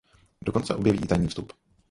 Dokonce objeví i tajný vstup.